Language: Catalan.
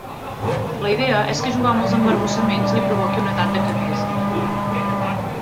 La idea és que jugar amb els embarbussaments li provoqui un atac de quequesa.